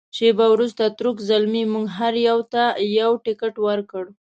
شیبه وروسته تُرک زلمي موږ هر یوه ته یو تکټ ورکړ.